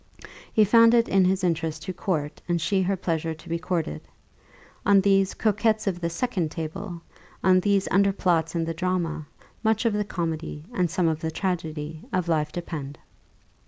He found it his interest to court, and she her pleasure to be courted. On these "coquettes of the second table," on these underplots in the drama, much of the comedy, and some of the tragedy, of life depend.